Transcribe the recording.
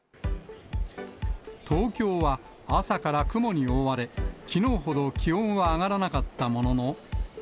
東京は朝から雲に覆われ、きのうほど気温は上がらなかったものの。